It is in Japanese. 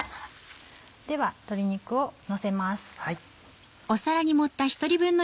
では鶏肉をのせます。